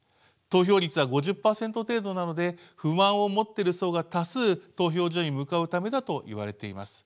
投票率は５０％程度なので不満を持ってる層が多数投票所に向かうためだといわれています。